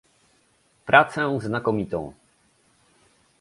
Pracę znakomitą